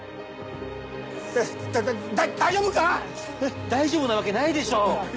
大丈夫か⁉大丈夫なわけないでしょう。